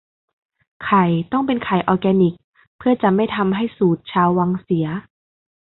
ไข่ต้องเป็นไข่ออแกนิคเพื่อจะไม่ทำให้สูตรชาววังเสีย